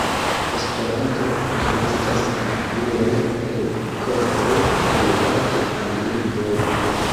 Esperanto enestas en pluraj rekordoj rilate al lingvoj.